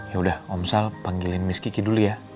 yaudah om sal panggilin miss kiki dulu ya